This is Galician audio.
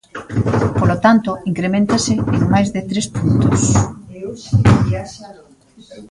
Polo tanto, increméntase en máis de tres puntos.